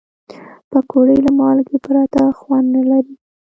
پکورې له مالګې پرته خوند نه لري